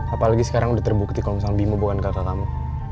apalagi sekarang udah terbukti kalo misalnya bimo bukan kakak kamu